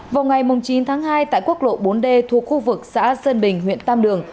vào ngày chín tháng hai tại quốc lộ bốn d thuộc khu vực xã sơn bình huyện tam đường